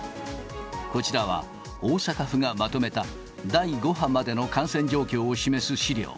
こちらは大阪府がまとめた、第５波までの感染状況を示す資料。